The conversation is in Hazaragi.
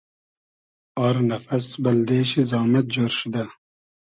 آر نئفئس بئلدې شی زامئد جۉر شودۂ